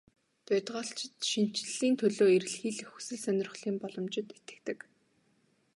Бодгальчид шинэчлэлийн төлөө эрэлхийлэх хүсэл сонирхлын боломжид итгэдэг.